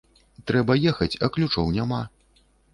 Трэба ехаць, а ключоў няма.